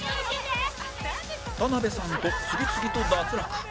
田辺さんと次々と脱落